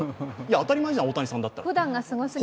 当たり前じゃん、大谷さんだったらって。